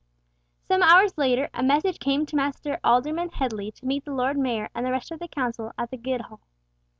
Some hours later a message came to Master Alderman Headley to meet the Lord Mayor and the rest of the Council at the Guildhall.